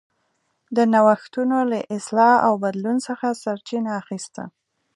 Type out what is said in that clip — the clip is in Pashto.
د نوښتونو له اصلاح او بدلون څخه سرچینه اخیسته.